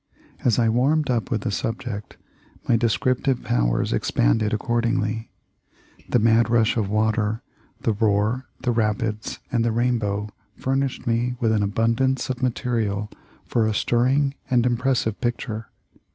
As I warmed up with the subject my descriptive powers expanded accord ingly. The mad rush of water, the roar, the rapids, and the rainbow furnished me with an abundance of material for a stirring and impressive picture.